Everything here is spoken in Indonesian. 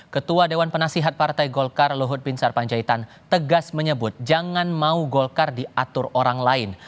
ketua dewan penasihat partai golkar luhut bin sarpanjaitan tegas menyebut jangan mau golkar diatur orang lain